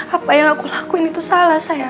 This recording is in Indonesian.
apa yang aku lakuin itu salah saya